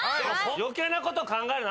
余計なこと考えるな。